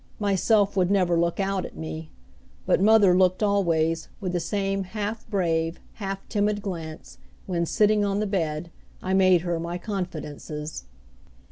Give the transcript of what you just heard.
Myself would never look out at me. But mother looked always, with the same half brave, half timid glance, when, sitting on the bed, I made her my confidences.